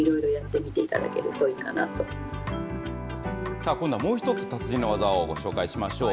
さあ、今度はもう１つ、達人の技をご紹介しましょう。